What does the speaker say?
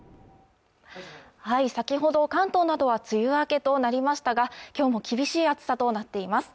先ほど関東などは梅雨明けとなりましたが今日も厳しい暑さとなっています